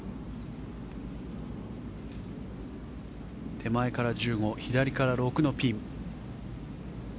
手前から１５、左から６のピン。